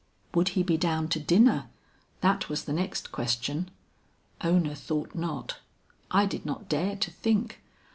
"Would he be down to dinner? that was the next question. Ona thought not; I did not dare to think.